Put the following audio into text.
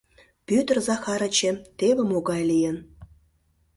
— Пӧтыр Захарычем теве могай лийын!